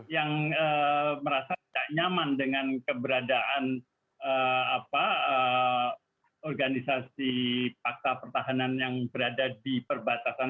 yang merasa tidak nyaman dengan keberadaan organisasi pakta pertahanan yang berada di perbatasan